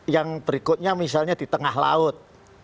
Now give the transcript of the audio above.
yang berikutnya misalnya di tengah laut